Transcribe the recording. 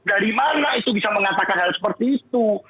dari mana itu bisa mengatakan hal sebagainya